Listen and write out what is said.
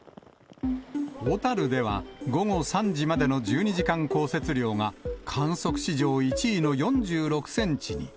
小樽では午後３時までの１２時間降雪量が観測史上１位の４６センチに。